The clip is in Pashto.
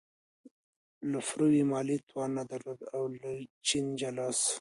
لفروی مالي توان نه درلود او له جین جلا شو.